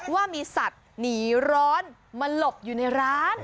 ว่ามีสัตว์หนีร้อนมาหลบอยู่ในร้าน